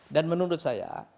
dan menurut saya